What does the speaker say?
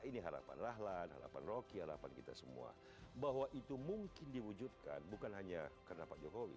ini harapan rahlan harapan rocky harapan kita semua bahwa itu mungkin diwujudkan bukan hanya karena pak jokowi